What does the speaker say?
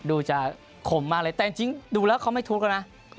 ดูจะขมมากเลยแต่จริงดูแล้วเขาไม่ทุกข์แล้วนะ